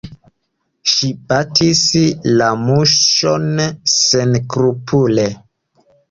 Ŝi batis la muŝon senskrupule!